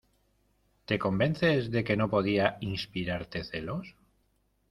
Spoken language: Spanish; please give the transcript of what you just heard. ¿ te convences de que no podía inspirarte celos?